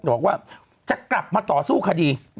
บอกว่าจะกลับมาต่อสู้คดี